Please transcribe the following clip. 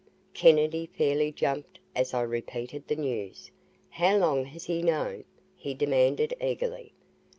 Kennedy fairly jumped as I repeated the news. "How long has he known?" he demanded eagerly.